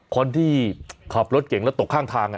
คนที่ขับรถเก่งแล้วตกข้างทาง